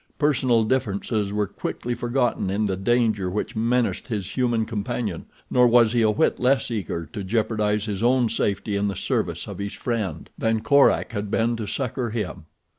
Personal differences were quickly forgotten in the danger which menaced his human companion, nor was he a whit less eager to jeopardize his own safety in the service of his friend than Korak had been to succor him.